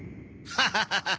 ハハハハハ。